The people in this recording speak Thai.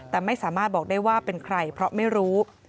แต่ไม่สามารถบอกได้ว่าเป็นใครเพราะไม่รู้